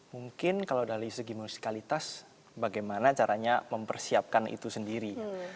mungkin kalau dari segi musikalitas bagaimana caranya mempersiapkan itu sendiri